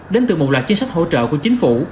đến từ một loạt chính sách hỗ trợ của chính phủ